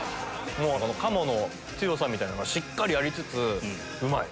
鴨の強さみたいなのがしっかりありつつうまい。